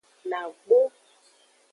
Nagbo.